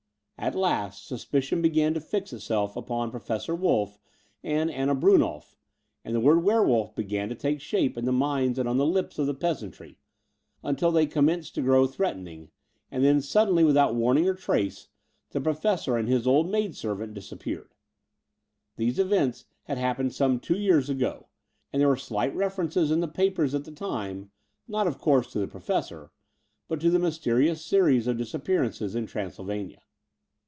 At last suspicion began to fix it self upon Professor Wolfif and Anna Brunnolf , and the word "werewolf" began to take shape in the minds and on the lips of the peasantry, tmtil they commenced to grow threatening — and then sud denly, without warning or trace, the Professor and his old maidservant disappeared. These events had happened some two years ago : and there were slight references in the papers at the time — ^not, of course, to the Professor, but to the mysterious series of disappearances in Transylvania.